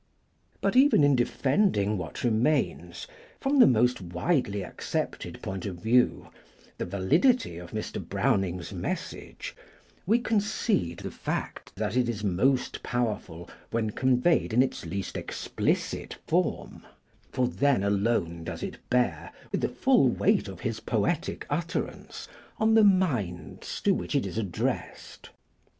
But even in defending what remains, from the most widely accepted point of view, the validity of Mr. Browning's 'message', we concede the fact that it is most powerful when conveyed in its least explicit form; for then alone does it bear, with the full weight of his poetic utterance, on the minds to which it is addressed.